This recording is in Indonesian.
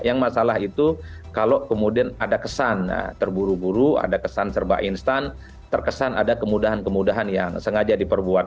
yang masalah itu kalau kemudian ada kesan terburu buru ada kesan serba instan terkesan ada kemudahan kemudahan yang sengaja diperbuat